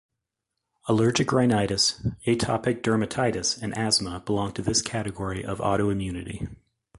Allergic rhinitis, atopic dermatitis, and asthma belong to this category of autoimmunity.